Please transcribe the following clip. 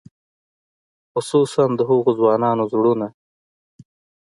خصوصاً د هغو ځوانانو زړونه.